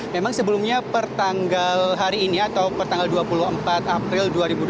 memang sebelumnya pertanggal hari ini atau per tanggal dua puluh empat april dua ribu dua puluh